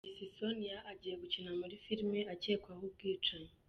Miss Soniya agiye gukina muri filimi akekwaho ubwicanyi